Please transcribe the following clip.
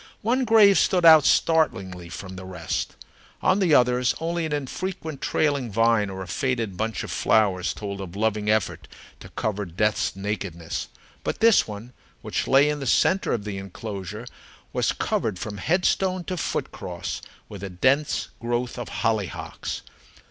One grave stood out startlingly from the rest. On the others only an infrequent trailing vine or a faded bunch of flowers told of loving effort to cover death's nakedness. But this one, which lay in the centre of the enclosure, was covered from headstone to foot cross with a dense growth of hollyhocks.